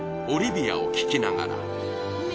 『オリビアを聴きながら』。